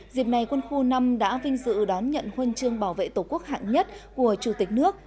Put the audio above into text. dịp này quân khu năm đã vinh dự đón nhận huân chương bảo vệ tổ quốc hạng nhất của chủ tịch nước